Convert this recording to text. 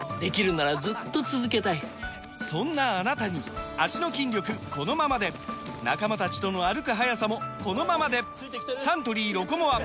そんなあなたに脚の筋力このままで仲間たちとの歩く速さもこのままでサントリー「ロコモア」！